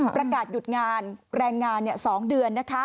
ประกาศหยุดงานแรงงาน๒เดือน